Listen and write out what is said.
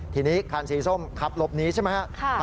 ทีนี้คันสีส้มขับหลบนี้ใช่ไหมครับ